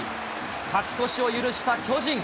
勝ち越しを許した巨人。